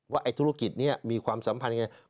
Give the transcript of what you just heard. ว่าไอ้ธุรกิจนี่มีความสัมพันธ์อย่างไร